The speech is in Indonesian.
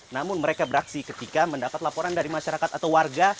namun mereka beraksi ketika mendapat laporan dari masyarakat atau warga